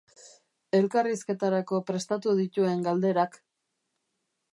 Elkarrizketarako prestatu dituen galderak.